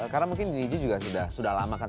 karena mungkin nidji juga sudah lama kan